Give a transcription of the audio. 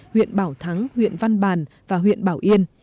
huyện bảo thắng huyện văn bàn và huyện bảo yên